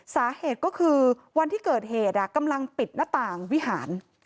สาเหตุก็คือวันที่เกิดเหตุกำลังปิดหน้าต่างวิหาร